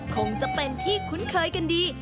คงจะเป็นที่คุ้นเคยกันดี